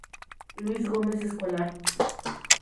Luis Gómez Escolar.